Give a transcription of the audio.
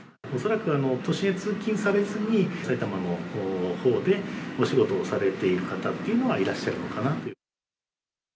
恐らく都心へ通勤されずに、埼玉のほうでお仕事をされている方というのがいらっしゃるのかな